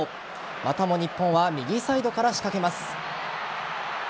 またも日本は右サイドから仕掛けます。